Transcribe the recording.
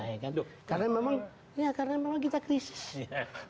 karena memang kita krisis